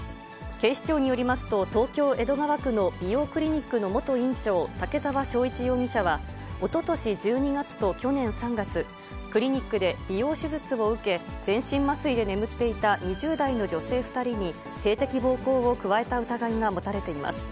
警視庁によりますと、東京・江戸川区の美容クリニックの元院長、竹沢章一容疑者はおととし１２月と去年３月、クリニックで美容手術を受け、全身麻酔で眠っていた２０代の女性２人に、性的暴行を加えた疑いが持たれています。